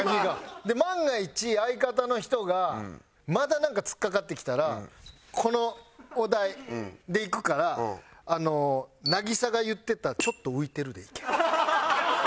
万が一相方の人がまだなんか突っかかってきたらこのお題でいくからあの凪咲が言ってた「ちょっと浮いてる」でいけ。